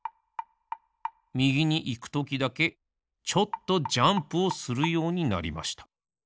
みぎにいくときだけちょっとジャンプをするようになりました。